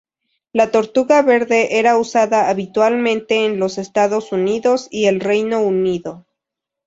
La tortuga verde era usada habitualmente en los Estados Unidos y el Reino Unido.